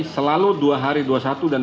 terhadap peristiwa ini